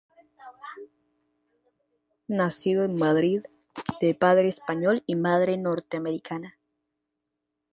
Nacido en Madrid, de padre español y madre norteamericana.